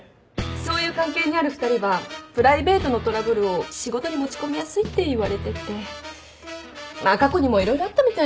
そういう関係にある２人はプライベートのトラブルを仕事に持ち込みやすいっていわれててまあ過去にも色々あったみたいなのよ。